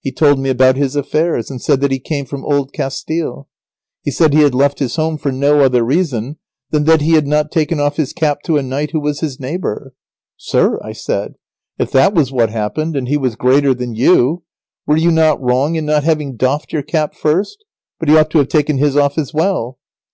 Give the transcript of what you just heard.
He told me about his affairs, and said that he came from Old Castille. He said he had left his home for no other reason than that he had not taken off his cap to a knight who was his neighbour. "Sir," I said, "if that was what happened, and he was greater than you, were you not wrong in not having doffed your cap first? but he ought to have taken his off as well."